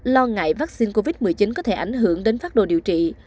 lo ngại vaccine covid một mươi chín có thể ảnh hưởng đến phát đồ điều trị